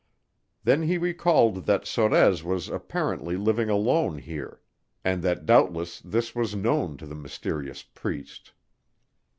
Then he recalled that Sorez was apparently living alone here and that doubtless this was known to the mysterious priest.